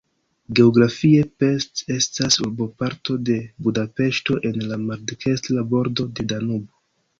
Geografie Pest estas urboparto de Budapeŝto en la maldekstra bordo de Danubo.